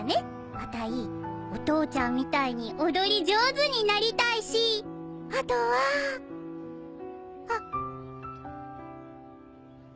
あたいお父ちゃんみたいに踊り上手になりたいしあとはあっ。